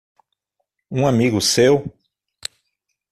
Um amigo seu?